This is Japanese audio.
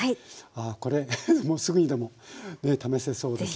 ああこれもうすぐにでも試せそうですね。